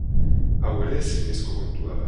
Hau ere ezinezko kontua da.